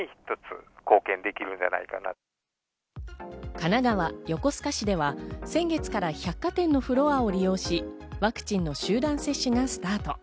神奈川・横須賀市では先月から百貨店のフロアを利用し、ワクチンの集団接種がスタート。